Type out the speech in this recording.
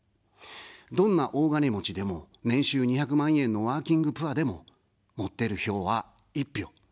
どんな大金持ちでも、年収２００万円のワーキングプアでも、持ってる票は１票。